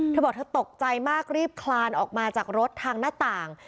เธอบอกเธอตกใจมากรีบคลานออกมาจากรถทางหน้าต่าง